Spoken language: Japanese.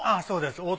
そうです